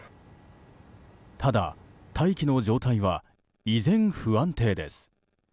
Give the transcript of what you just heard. ただ、大気の状態は依然不安定です。